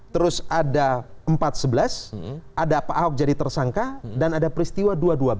terus ada empat sebelas ada pak ahok jadi tersangka dan ada peristiwa dua ratus dua belas